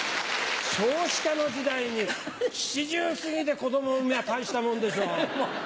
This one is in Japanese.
少子化の時代に７０過ぎて子どもを産みゃあ、たいしたもんでしょ。